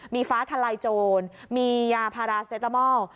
มีฟ้าทลายโจรมียาพาราเซตามอล